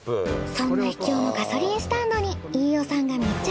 そんな秘境のガソリンスタンドに飯尾さんが密着。